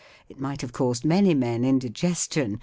It might have caused many men indi¬ gestion.